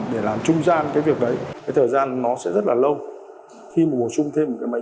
để chúng ta cứu cái còn trong cái mất